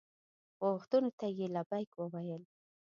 غوښتنو ته یې لبیک وویل.